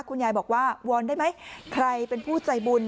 คุณยายบอกว่าวอนได้ไหมใครเป็นผู้ใจบุญ